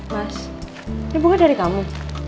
mas ini bukan dari kamu